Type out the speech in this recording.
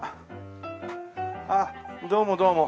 あっどうもどうも。